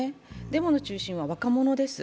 デモの中心は若者です。